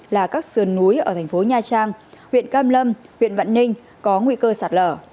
là các sườn núi ở thành phố nha trang huyện cam lâm huyện vạn ninh có nguy cơ sạt lở